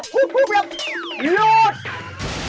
พูดพูดพอได้แต่พูดพูดพูดแล้วหยุด